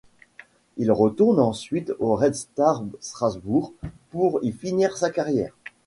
Il retourne ensuite au Red Star Strasbourg pour y finir sa carrière.